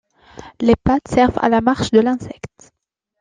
Les pattes servent à la marche de l'insecte.